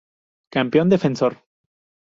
Campeón defensor.